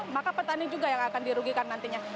maka petani juga yang akan dirugikan nantinya